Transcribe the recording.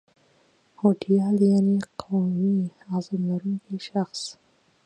هوډیال یعني قوي عظم لرونکی شخص